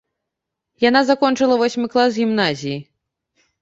Яна закончыла восьмы клас гімназіі.